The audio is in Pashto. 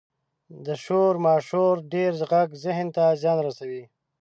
• د شور ماشور ډېر ږغ ذهن ته زیان رسوي.